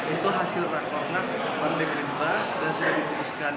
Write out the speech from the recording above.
itu hasil rakornas partai gerindra dan sudah diputuskan